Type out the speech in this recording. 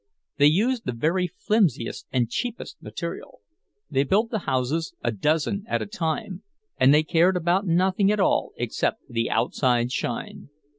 They used the very flimsiest and cheapest material; they built the houses a dozen at a time, and they cared about nothing at all except the outside shine.